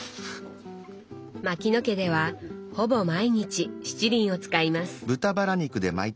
牧野家ではほぼ毎日七輪を使います。